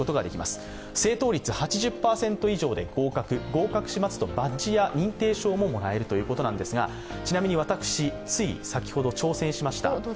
合格しますと、バッジや認定証ももらえるということですがちなみに私、つい先ほど挑戦しました。